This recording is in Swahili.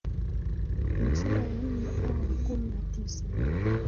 na sura ya nne aya ya kumi na tisa